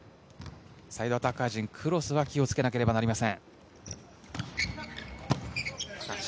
サイドアタッカー陣、クロスは気を付けなければなりません。